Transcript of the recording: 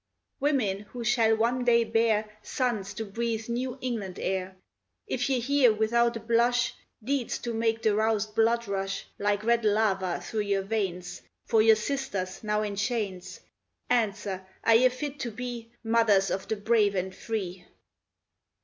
Women! who shall one day bear Sons to breathe New England air, If ye hear, without a blush, Deeds to make the roused blood rush Like red lava through your veins, For your sisters now in chains, Answer! are ye fit to be Mothers of the brave and free?